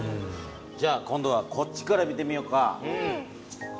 じゃあ今度はこっちから見てみようか。